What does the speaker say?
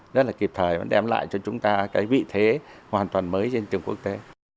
rất là kịp thời đem lại cho chúng ta vị thế hoàn toàn mới trên trường quốc tế